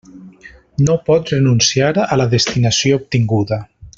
No pot renunciar a la destinació obtinguda.